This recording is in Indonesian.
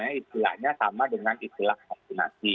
misalnya istilahnya sama dengan istilah vaksinasi